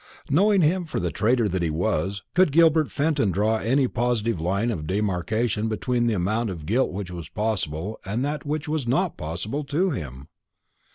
Knowing him for the traitor he was, could Gilbert Fenton draw any positive line of demarcation between the amount of guilt which was possible and that which was not possible to him?